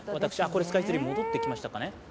これ、スカイツリー戻ってきましたかね。